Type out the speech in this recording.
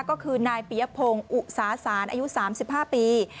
ก็คือนายปียพงศ์อุตสาศาลอายุ๓๕ปี